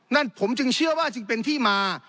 นั่นผมจึงเชื่อว่าจึงเป็นที่มา